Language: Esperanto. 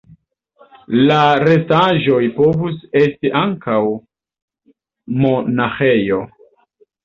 La restaĵoj povus esti ankaŭ monaĥejo.